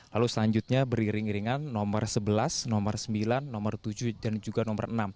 lalu selanjutnya beriring iringan nomor sebelas nomor sembilan nomor tujuh dan juga nomor enam